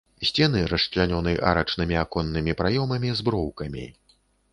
Сцены расчлянёны арачнымі аконнымі праёмамі з броўкамі.